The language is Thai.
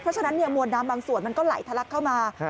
เพราะฉะนั้นมวลน้ำบางส่วนมันก็ไหลทะลักเข้ามา